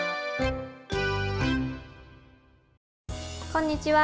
こんにちは。